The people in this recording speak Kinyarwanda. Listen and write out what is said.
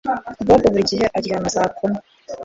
bob buri gihe aryama saa kumi